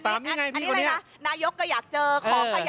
นายกก็อยากเจอของก็อยากขายเพื่อนก็อยากคุย